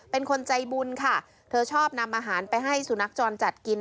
เป็นคนใจบุญค่ะเธอชอบนำอาหารไปให้สุนัขจรจัดกิน